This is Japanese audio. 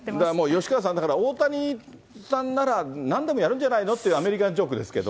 吉川さん、だから大谷さんなら、なんでもやるんじゃないのという、アメリカンジョークですけど。